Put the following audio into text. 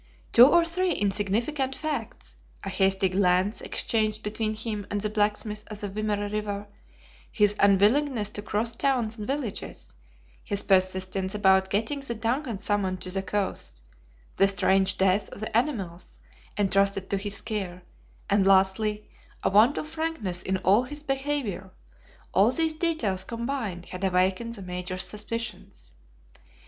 Two or three insignificant facts, a hasty glance exchanged between him and the blacksmith at the Wimerra River, his unwillingness to cross towns and villages, his persistence about getting the DUNCAN summoned to the coast, the strange death of the animals entrusted to his care, and, lastly, a want of frankness in all his behavior all these details combined had awakened the Major's suspicions.